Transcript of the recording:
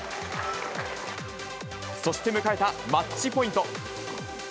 そして迎えたマッチポイント。